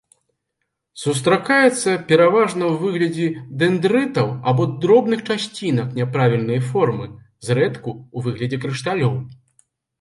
Сустракаецца пераважна ў выглядзе дэндрытаў або дробных часцінак няправільнай формы, зрэдку ў выглядзе крышталёў.